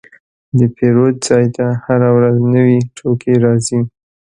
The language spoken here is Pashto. د پیرود ځای ته هره ورځ نوي توکي راځي.